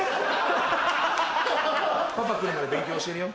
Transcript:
パパ来るまで勉強教えるよ。